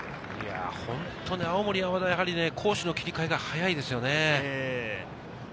本当に青森山田は攻守の切り替えが早いですよね。